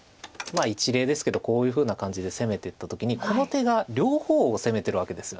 一例ですけどこういうふうな感じで攻めていった時にこの手が両方を攻めてるわけですよね。